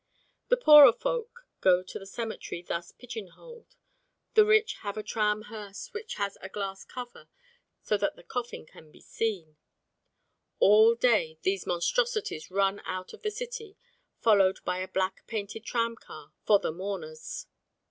The poorer folk go to the cemetery thus pigeonholed, the rich have a tram hearse which has a glass cover so that the coffin can be seen. All day these monstrosities run out of the city followed by a black painted tramcar for the mourners.